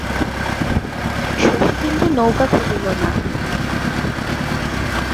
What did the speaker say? শশী কিন্তু নৌকা খুলিল না।